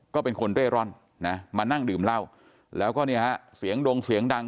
ก็เป็นคนเร่ร่อนนะมานั่งดื่มเหล้าแล้วก็เนี่ยฮะเสียงดงเสียงดัง